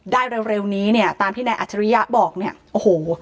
ได้เร็วนี้เนี่ยตามที่นายอัจฉริยะบอกเนี่ยโอ้โห